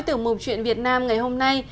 tiểu mục chuyện việt nam ngày hôm nay